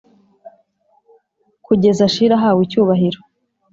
Kugeza shilo ahawe icyubahiro